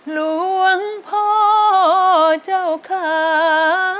หลวงพ่อเจ้าขา